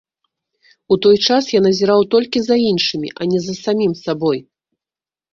У той час я назіраў толькі за іншымі, а не за самім сабой.